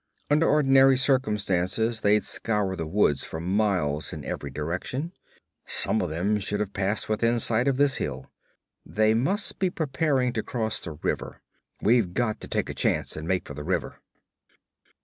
Under ordinary circumstances they'd scour the woods for miles in every direction. Some of them should have passed within sight of this hill. They must be preparing to cross the river. We've got to take a chance and make for the river.'